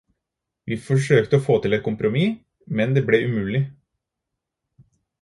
Vi forsøkte å få til et kompromiss, men det ble umulig.